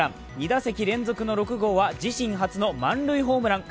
２打席連続の６号は自身初の満塁ホームラン。